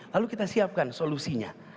lalu kita siapkan solusinya